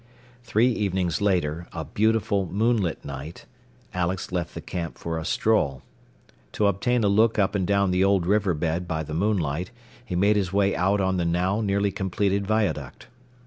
Three evenings later, a beautiful, moonlit night, Alex left the camp for a stroll. To obtain a look up and down the old river bed by the moonlight, he made his way out on the now nearly completed viaduct.